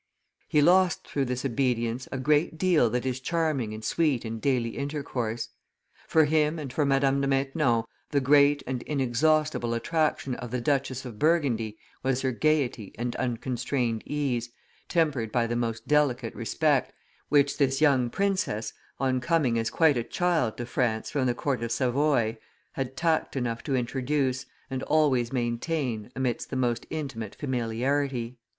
He lost through this obedience a great deal that is charming and sweet in daily intercourse. For him and for Madame de Maintenon the great and inexhaustible attraction of the Duchess of Burgundy was her gayety and unconstrained ease, tempered by the most delicate respect, which this young princess, on coming as quite a child to France from the court of Savoy, had tact enough to introduce, and always maintain, amidst the most intimate familiarity.